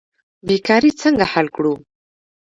بیکاري څنګه حل کړو؟